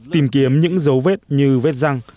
tìm kiếm những dấu vết như vết răng